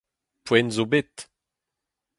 Poent zo bet.